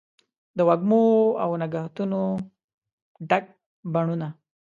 د وږمو او نګهتونو ډک بڼوڼه